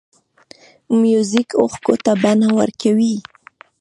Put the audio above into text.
موزیک اوښکو ته بڼه ورکوي.